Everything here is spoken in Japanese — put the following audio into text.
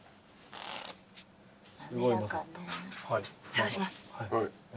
探します。